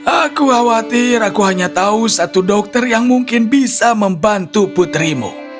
aku khawatir aku hanya tahu satu dokter yang mungkin bisa membantu putrimu